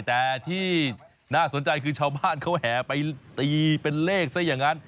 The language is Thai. แต่ที่น่าสนใจคือชาวบ้านเขาแห่ไปตีเป็นเลขซะอย่างนั้น